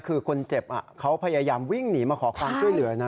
คือคนเจ็บเขาพยายามวิ่งหนีมาขอความช่วยเหลือนะ